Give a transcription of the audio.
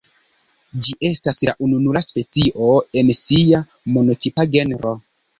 Ĝi estas la ununura specio en sia monotipa genro.